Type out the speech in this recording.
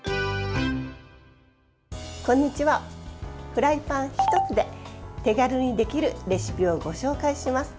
フライパン１つで手軽にできるレシピをご紹介します。